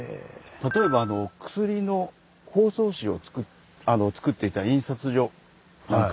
例えば薬の包装紙をつくっていた印刷所なんかはですね